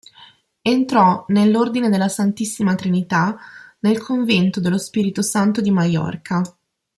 Entrò nell'ordine della Santissima Trinità nel convento dello Spirito Santo di Maiorca.